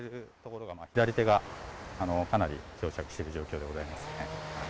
左手がかなり漂着している状況でございます。